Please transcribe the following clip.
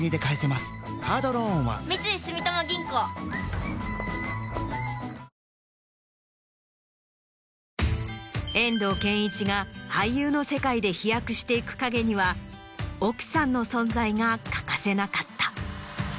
リブネスタウンへ遠藤憲一が俳優の世界で飛躍していく陰には奥さんの存在が欠かせなかった。